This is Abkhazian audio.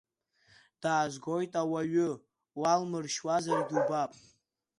Даазгоит, аҩы уалмыршьуазаргь убап!